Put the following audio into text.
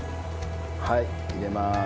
はい入れまーす。